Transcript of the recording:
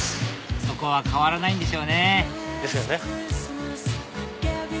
そこは変わらないんでしょうねですよね。